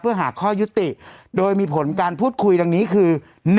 เพื่อหาข้อยุติโดยมีผลการพูดคุยดังนี้คือ